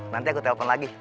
nanti aku telpon lagi